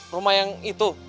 rumah yang itu